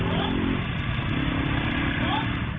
อะไรวะ